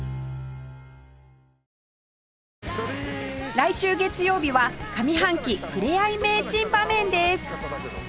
来週月曜日は上半期ふれあい名珍場面です